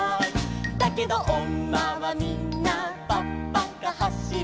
「だけどおんまはみんなぱっぱかはしる」